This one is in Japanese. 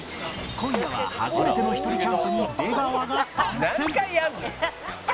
今夜は初めてのひとりキャンプに出川が参戦あっ！